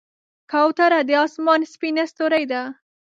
کوتره د آسمان سپینه ستورۍ ده.